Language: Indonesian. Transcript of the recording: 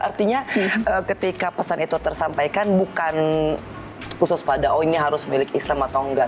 artinya ketika pesan itu tersampaikan bukan khusus pada oh ini harus milik islam atau enggak